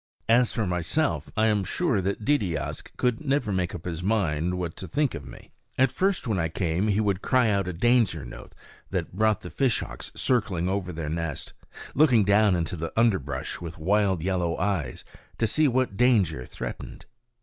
As for myself, I am sure that Deedeeaskh could never make up his mind what to think of me. At first, when I came, he would cry out a danger note that brought the fishhawks circling over their nest, looking down into the underbrush with wild yellow eyes to see what danger threatened.